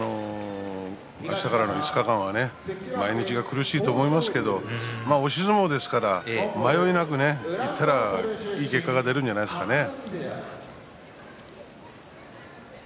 明日からの５日間は毎日が苦しいと思いますが押し相撲ですから迷いなくいったらいい結果が出るんじゃないですかね。